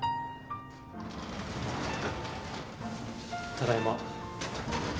ただいま。